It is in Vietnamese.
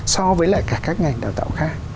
so với lại cả các ngành đào tạo khác